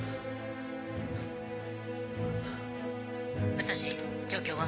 武蔵状況は？